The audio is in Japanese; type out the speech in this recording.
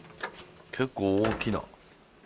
結構大きな。